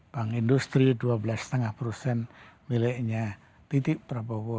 bank industri dua belas lima persen miliknya titik prabowo